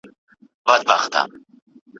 زه به ستا محفل ته زلمۍ شپې له کومه راوړمه